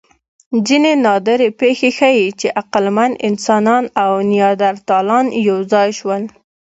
ځینې نادرې پېښې ښيي، چې عقلمن انسانان او نیاندرتالان یو ځای شول.